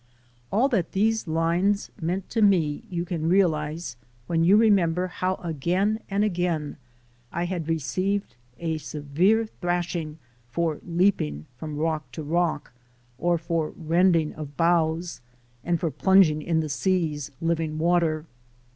All that these lines meant to me you can realize when you remember how again and again I had received a severe thrashing for "leaping from rock to rock" or for the "rending of boughs" and for plunging in the sea's "living water."